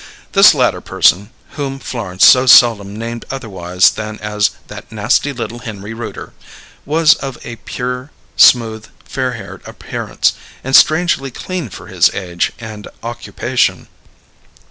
This latter person (whom Florence so seldom named otherwise than as "that nasty little Henry Rooter") was of a pure, smooth, fair haired appearance, and strangely clean for his age and occupation.